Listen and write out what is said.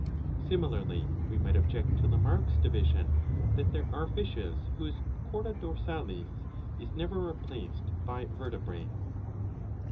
Similarly we might object to Lamarck's division that there are fishes whose chorda dorsalis is never replaced by vertebrae.